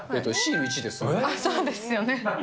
そうですよね。